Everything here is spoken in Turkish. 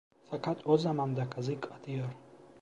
Fakat o zaman da kazık atıyor.